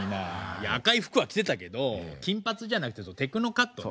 いや赤い服は着てたけど金髪じゃなくてテクノカットね。